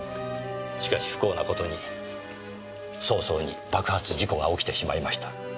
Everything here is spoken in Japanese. しかし不幸な事に早々に爆発事故が起きてしまいました。